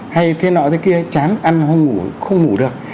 hay thế nọ thế kia chán ăn không ngủ không ngủ được